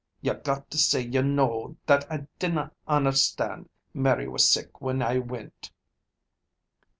Ye got to say ye know that I dinna understand Mary was sick when I went."